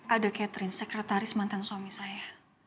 ada catherine sekretaris mantan suami saya